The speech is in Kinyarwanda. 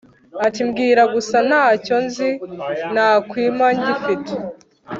ati" mbwira gusa ntacyo nzi nakwima ngifite"